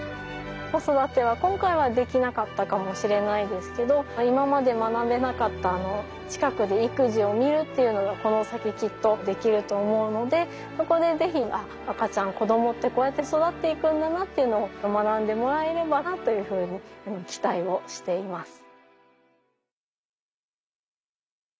子育ては今回はできなかったかもしれないですけど今まで学べなかった近くで育児を見るっていうのがこの先きっとできると思うのでそこで是非赤ちゃん子供ってこうやって育っていくんだなっていうのを学んでもらえればなというふうに期待をしています。